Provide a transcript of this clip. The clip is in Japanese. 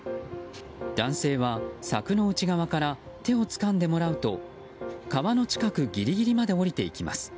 男性は柵の内側から手をつかんでもらうと川の近くギリギリまで下りていきます。